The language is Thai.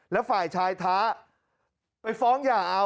แล้วฝ่ายชายท้าไปฟ้องหย่าเอา